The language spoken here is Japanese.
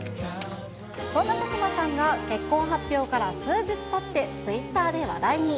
そんな佐久間さんが、結婚発表から数日たってツイッターで話題に。